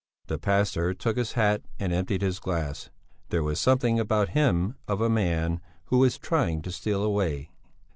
The pastor took his hat and emptied his glass; there was something about him of a man who is trying to steal away.